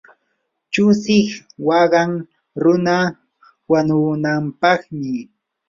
chusiq waqan runa wanunampaqmi.